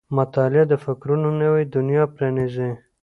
• مطالعه د فکرونو نوې دنیا پرانیزي.